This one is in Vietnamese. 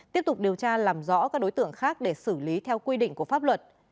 tiếp tục điều tra làm rõ các đối tượng khác để xử lý theo quy định của pháp luật